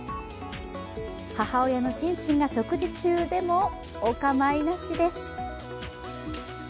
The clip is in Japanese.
母親のシンシンが食事中でもお構いなしです。